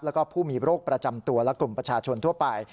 แล้วก็ผู้มีโรคประจำตัวและกลุ่มประชาชนทั่วไป